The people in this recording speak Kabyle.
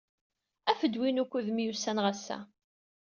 Af-d win wukud myussaneɣ ass-a!